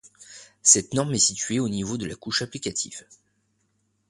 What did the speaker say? Cette norme est située au niveau de la couche applicative.